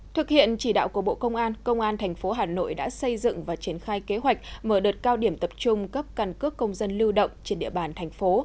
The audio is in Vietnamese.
thực hiện chỉ đạo của bộ công an công an thành phố hà nội đã xây dựng và triển khai kế hoạch mở đợt cao điểm tập trung cấp căn cước công dân lưu động trên địa bàn thành phố